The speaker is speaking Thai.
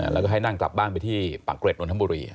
แล้วก็ให้นั่งกลับบ้านไปที่ปากเกร็ดนนทบุรี